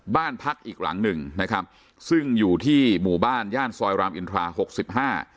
บ้านพักอีกหลังหนึ่งนะครับซึ่งอยู่ที่หมู่บ้านย่านซอยรามอินทราหกสิบห้า